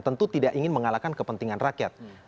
tentu tidak ingin mengalahkan kepentingan rakyat